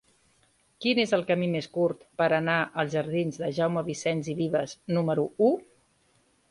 Quin és el camí més curt per anar als jardins de Jaume Vicens i Vives número u?